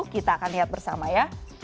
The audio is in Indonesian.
kita akan lihat bersama ya